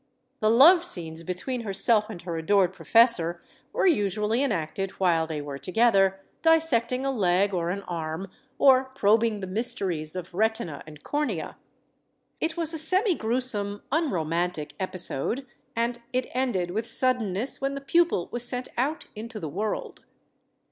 The love scenes between herself and her adored professor were usually enacted while they were together dissecting a leg or an arm or probing the mysteries of retina and cornea. It was a semigruesome, unromantic episode, and it ended with suddenness when the pupil was sent out into the world.